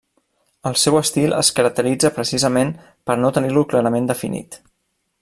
El seu estil es caracteritza precisament per no tenir-lo clarament definit.